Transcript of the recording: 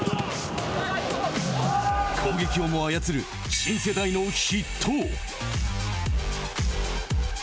攻撃をも操る新世代の筆頭。